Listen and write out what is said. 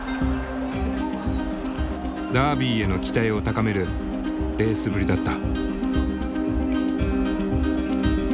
ダービーへの期待を高めるレースぶりだった。